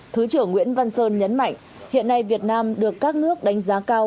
thứ trưởng nguyễn văn sơn nhấn mạnh hiện nay việt nam được các nước đánh giá cao